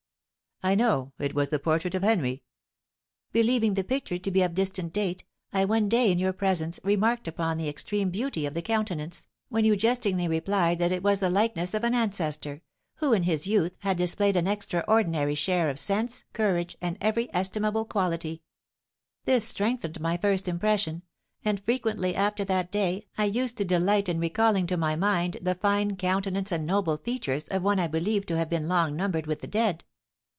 "I know; it was the portrait of Henry." "Believing the picture to be of distant date, I one day in your presence remarked upon the extreme beauty of the countenance, when you jestingly replied that it was the likeness of an ancestor who, in his youth, had displayed an extraordinary share of sense, courage, and every estimable quality; this strengthened my first impression, and frequently after that day I used to delight in recalling to my mind the fine countenance and noble features of one I believed to have been long numbered with the dead.